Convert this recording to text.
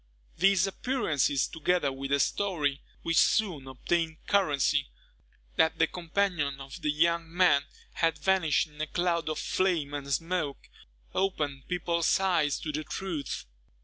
These appearances, together with a story, which soon obtained currency, that the companion of the young man had vanished in a cloud of flame and smoke, opened people's eyes to the truth.